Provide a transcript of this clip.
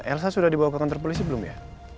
elsa sudah dibawa ke kantor polisi belum ya